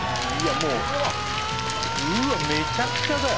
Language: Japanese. うわっめちゃくちゃだよ。